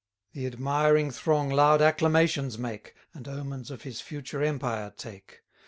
The admiring throng loud acclamations make, And omens of his future empire take.